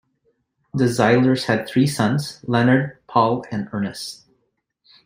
The Zeislers had three sons: Leonard, Paul and Ernest.